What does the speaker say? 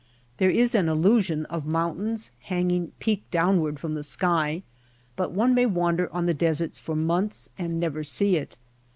There is an illusion of mountains hanging peak downward from the sky, but one may wander on the deserts for months and never see it.